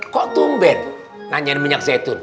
kok tumben nanyain minyak zaitun